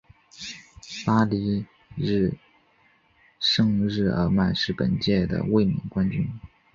巴黎圣日耳曼是本届的卫冕冠军。